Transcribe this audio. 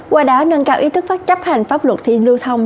qua đó nâng cao ý thức phát chấp hành pháp luật thi lưu thông